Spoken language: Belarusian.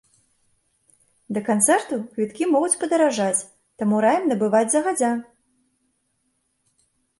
Да канцэрту квіткі могуць падаражаць, таму раім набываць загадзя!